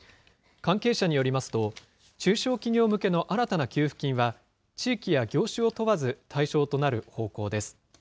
関係者によりますと、中小企業向けの新たな給付金は、地域や業種を問わず対象となる方向です。